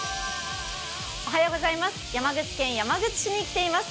山口県山口市に来ています。